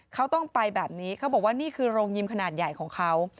เขาต้องไปแบบนี้เขาบอกว่านี่คือโรงยิมขนาดใหญ่ของเขา